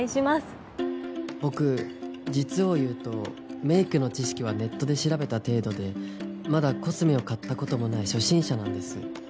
僕実を言うとメイクの知識はネットで調べた程度でまだコスメを買ったこともない初心者なんです。